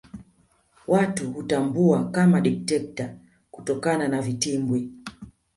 Watu hutambua kama dikteta kutokana na vitimbwi